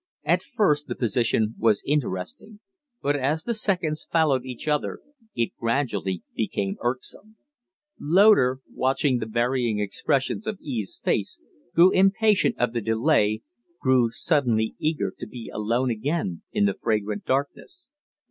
At first the position was interesting; but, as the seconds followed each other, it gradually became irksome. Loder, watching the varying expressions of Eve's face, grew impatient of the delay, grew suddenly eager to be alone again in the fragrant darkness.